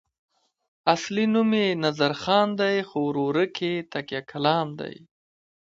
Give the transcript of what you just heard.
اصلي نوم یې نظرخان دی خو ورورک یې تکیه کلام دی.